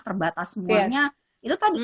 terbatas semuanya itu tadi